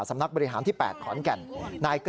สำนักบริหารที่๘ขอนแก่น